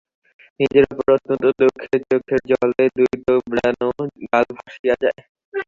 নিজের উপর অত্যন্ত দুঃখে চোখের জলে দুই তোবড়ানো গাল ভাসিয়া যায়।